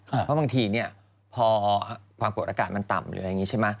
เพราะบางทีเนี่ยพอความกดอากาศมันต่ำหรืออะไรอย่างนี้ใช่ไหม